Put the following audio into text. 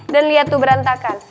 dan lihat tuh berantakan